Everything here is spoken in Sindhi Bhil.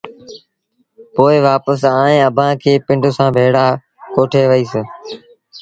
پوء وآپس آئي اڀآنٚ کي پنڊ سآݩٚ ڀيڙآ ڪوٺي وهيٚس